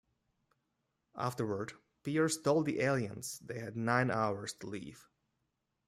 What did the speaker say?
Afterward, Pierce told the aliens they had nine hours to leave.